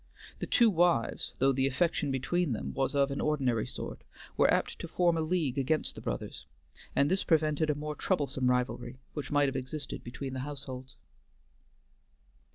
The two wives, though the affection between them was of an ordinary sort, were apt to form a league against the brothers, and this prevented a more troublesome rivalry which might have existed between the households.